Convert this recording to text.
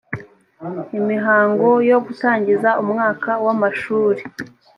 imihango yo gutangiza umwaka w amashuri